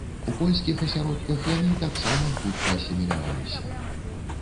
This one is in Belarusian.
У польскіх асяродках яны таксама хутка асіміляваліся.